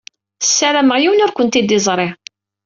Sarameɣ yiwen ur kent-id-iẓṛi.